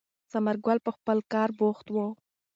ثمر ګل په خپل کار بوخت و.